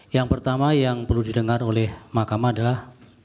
yang pertama yang perlu didengar oleh mahkamah adalah